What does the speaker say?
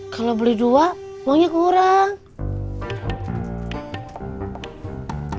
kalau beli dua uangnya kurang